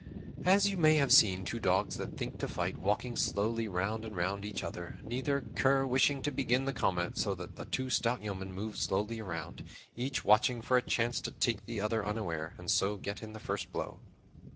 As you may have seen two dogs that think to fight, walking slowly round and round each other, neither cur wishing to begin the combat, so those two stout yeomen moved slowly around, each watching for a chance to take the other unaware, and so get in the first blow.